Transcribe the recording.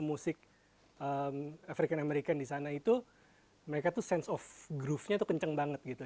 itu adalah kalau pemusik pemusik african american di sana itu mereka tuh sense of groove nya tuh kenceng banget gitu